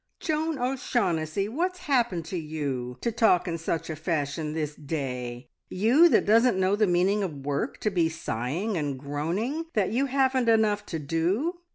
"Joan O'Shaughnessy, what's happened to you to talk in such a fashion this day? You, that doesn't know the meaning of work, to be sighing and groaning that you haven't enough to do!